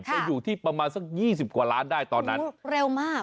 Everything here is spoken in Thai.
จะอยู่ที่ประมาณสักยี่สิบกว่าล้านได้ตอนนั้นเร็วมาก